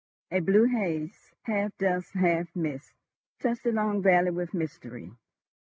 A blue haze, half dust, half mist, touched the long valley with mystery.